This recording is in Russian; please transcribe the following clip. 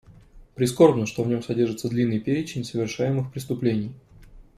Прискорбно, что в нем содержится длинный перечень совершаемых преступлений.